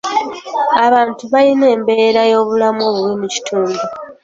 Abantu bayina embeera y'obulamu obubi mu kitundu.